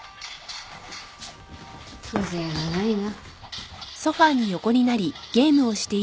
風情がないな。